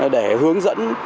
để hướng dẫn